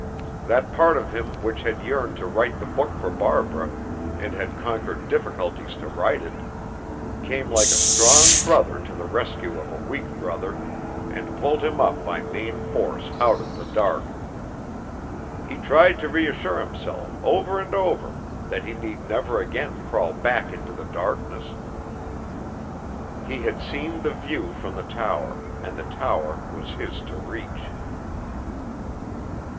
That part of him which had yearned to write the book for Barbara and had conquered difficulties to write it, came like a strong brother to the rescue of a weak brother and pulled him up by main force out of the dark. He tried to reassure himself, over and over, that he need never again crawl back into the darkness. He had seen the view from the tower, and the tower was his to reach.